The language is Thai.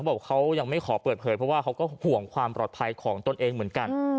บอกเขายังไม่ขอเปิดเผยเพราะว่าเขาก็ห่วงความปลอดภัยของตนเองเหมือนกัน